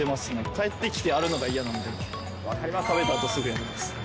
帰ってきてあるのが嫌なんで、食べたあとすぐやります。